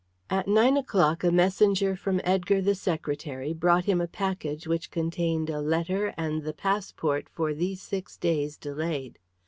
At nine o'clock a messenger from Edgar, the secretary, brought him a package which contained a letter and the passport for these six days delayed.